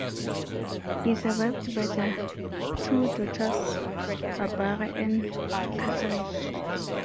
He was survived by their two daughters, Barbara and Kathryn.